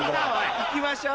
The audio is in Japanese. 行きましょう。